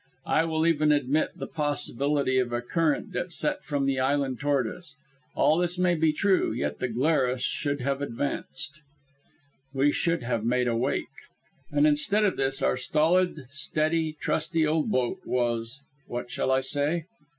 I will even admit the possibility of a current that set from the island toward us. All this may be true, yet the Glarus should have advanced. We should have made a wake. And instead of this, our stolid, steady, trusty old boat was what shall I say?